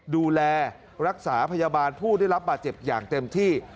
ดูแลรักษาพยาบาลผู้ได้รับบาดเจ็บอย่างเต็มที่